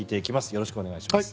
よろしくお願いします。